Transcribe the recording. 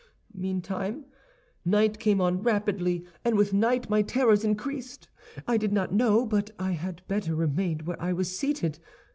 "Meantime, night came on rapidly, and with night my terrors increased. I did not know but I had better remain where I was seated.